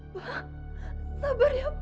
pak sabar ya pak